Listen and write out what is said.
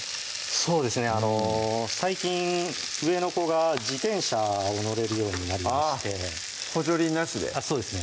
そうですね最近上の子が自転車を乗れるようになりまして補助輪なしでそうですね